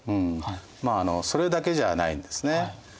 まあそれだけじゃないんですね。